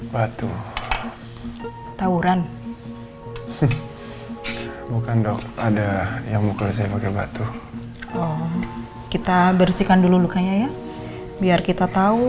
batu tawuran bukan dok ada yang mukul saya pakai batu kita bersihkan dulu lukanya ya biar kita tahu